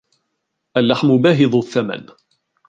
اللحم باهظ الثمن.